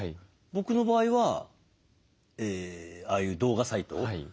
僕の場合はああいう動画サイト。